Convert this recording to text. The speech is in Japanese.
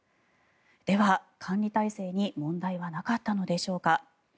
では、管理体制に問題はなかったのでしょうか。